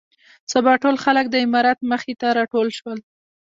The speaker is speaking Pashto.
سبا ټول خلک د امارت مخې ته راټول شول.